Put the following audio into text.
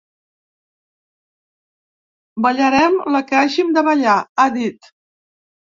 Ballarem la que hàgim de ballar…, ha dit.